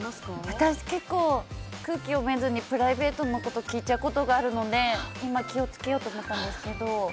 私、結構空気読めずにプライベートのこと聞いちゃうことがあるので気を付けようと思ったんですが。